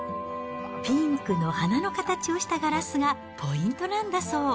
ピンクの花の形をしたガラスがポイントなんだそう。